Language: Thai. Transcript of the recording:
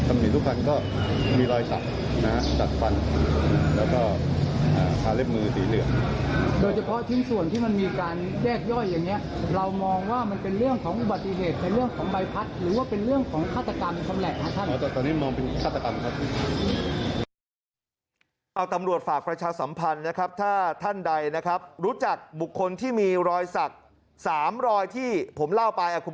มองว่ามันเป็นเรื่องของอุบัติเวทย์เป็นเรื่องของใบพัด